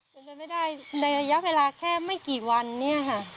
เป็นไปไม่ได้ในระยะเวลาแค่ไม่กี่วันเนี่ยค่ะ